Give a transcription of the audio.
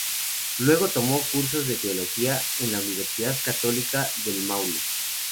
Luego tomó cursos de teología en la Universidad Católica del Maule.